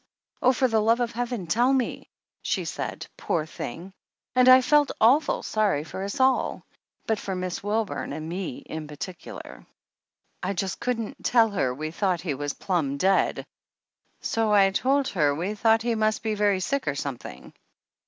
Oh, for the love of Heaven, tell me !" she said, poor thing ! And I felt awful sorry for us all, but for Miss Wilburn and me in particular. I just couldn't tell her we thought he was plumb dead, so I told her we thought he must be very sick or something.